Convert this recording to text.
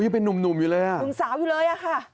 เป็นนุ่มอยู่เลยน่ะค่ะหนุ่มสาวอยู่เลย